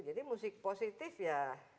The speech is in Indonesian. jadi musik positif ya